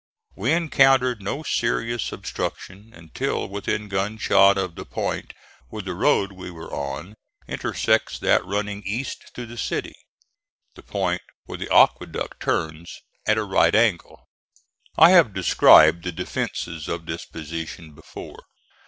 We encountered no serious obstruction until within gun shot of the point where the road we were on intersects that running east to the city, the point where the aqueduct turns at a right angle. I have described the defences of this position before.